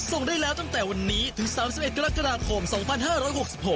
ส่งได้แล้วตั้งแต่วันนี้ถึง๓๑กรกฎาคม๒๕๖๖